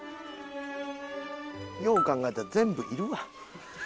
よう考えたら全部いるわ。